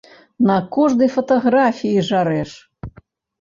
На кожнай фатаграфіі жарэш!